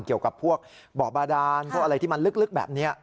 เกี่ยวกับพวกบ่อบาดานพวกอะไรที่มันลึกแบบนี้